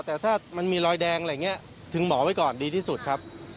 แต่ถ้ามันมีรอยแดงอะไรอย่างนี้ถึงหมอไว้ก่อนดีที่สุดครับ